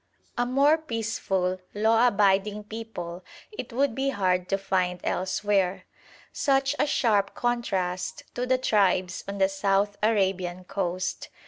A more peaceful, law abiding people it would be hard to find elsewhere such a sharp contrast to the tribes on the South Arabian coast.